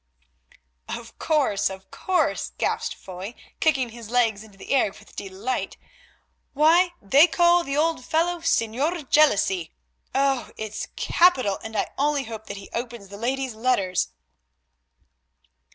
"Of course, of course," gasped Foy, kicking his legs into the air with delight, "why, they call the old fellow 'Singe jaloux.' Oh! it's capital, and I only hope that he opens the lady's letters."